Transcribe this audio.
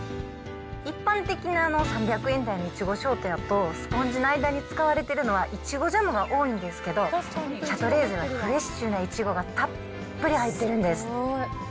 一般的な３００円台の苺ショートやと、スポンジの間に使われてるのはイチゴジャムが多いんですけど、シャトレーゼはフレッシュなイチゴがたっぷり入ってるんです。